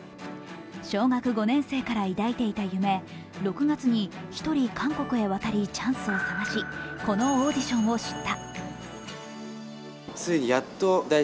小学５年生から抱いていた夢、６月に１人、韓国へ渡りチャンスを探し、このオーディションを知った。